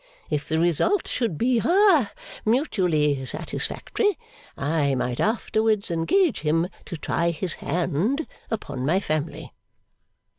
If the result should be ha mutually satisfactory, I might afterwards engage him to try his hand upon my family.